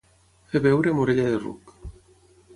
Fer beure amb orella de ruc.